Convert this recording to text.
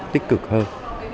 tích cực hơn